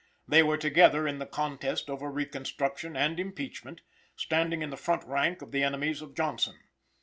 They were together in the contest over reconstruction and impeachment, standing in the front rank of the enemies of Johnson.